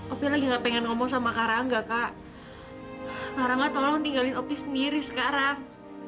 opi lagi gak pengen ngomong sama karangga kak harangga tolong tinggalin opi sendiri sekarang